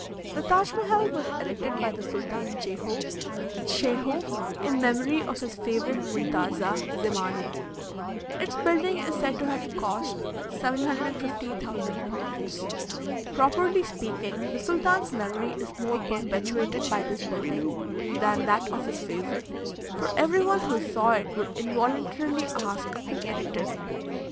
The Taj Mehal was erected by the Sultan Jehoe (Dschehoe), in memory of his favourite muntaza, Zemani. Its building is said to have cost 750,000 pounds. Properly speaking, the sultan's memory is more perpetuated by this building than that of his favourite, for every one who saw it would involuntarily ask who erected it.